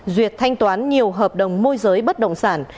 duyệt thanh toán nhiều hợp đồng môi giới bất động sản